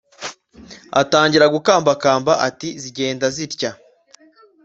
atangira gukambakamba ati:"zigenda zitya!"